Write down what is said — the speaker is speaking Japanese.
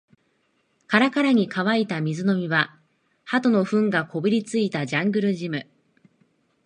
カラカラに乾いた水飲み場、鳩の糞がこびりついたジャングルジム